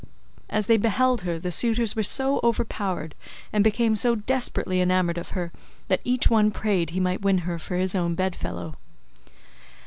As they beheld her the suitors were so overpowered and became so desperately enamoured of her, that each one prayed he might win her for his own bed fellow.